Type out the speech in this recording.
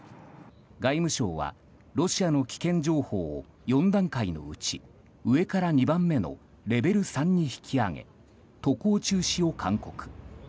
外務省は、ロシアの危険情報を４段階のうち上から２番目のレベル３に引き上げ、渡航中止を勧告。